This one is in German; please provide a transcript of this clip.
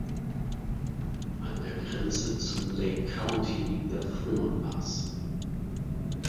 An der Grenze zum Lake County liegt der Fremont Pass.